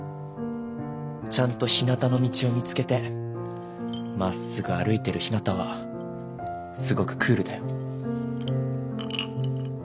ちゃんと「ひなたの道」を見つけてまっすぐ歩いてるひなたはすごくクールだよ。